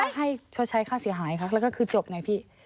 ให้ชดใช้ค่าเสียหายค่ะแล้วก็คือจบไงพี่